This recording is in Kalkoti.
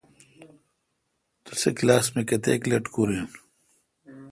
توسی کلاس مہ کتیک لٹکور این۔